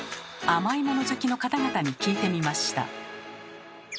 甘いもの好きの方々に聞いてみました。